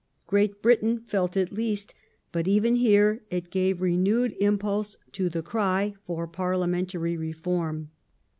^ Great Britain felt it least, but even here it gave renewed impulse to the cry for parliamentary reform.